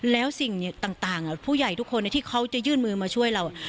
แล้วสิ่งต่างผู้ใหญ่ทุกคนที่เขาจะยื่นมือมาช่วยเรา